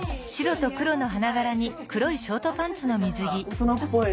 大人っぽい。